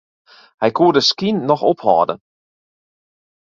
Hy koe de skyn noch ophâlde.